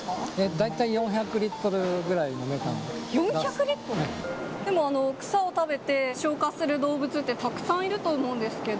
大体４００リットルぐらいの４００リットル？でも、草を食べて消化する動物って、たくさんいると思うんですけど。